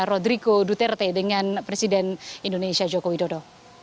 rodriko duterte dengan presiden indonesia joko widodo